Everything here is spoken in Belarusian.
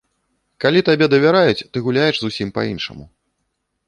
Калі табе давяраюць, ты гуляеш зусім па-іншаму.